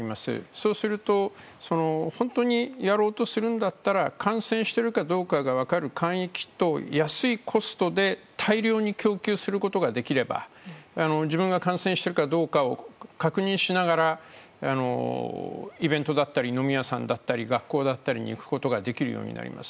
そうすると本当にやろうとするんだったら感染しているかどうかが分かる簡易キットを安いコストで大量に供給することができれば自分が感染しているかどうかを確認しながらイベントだったり飲み屋さんだったり学校だったりに行くことができるようになります。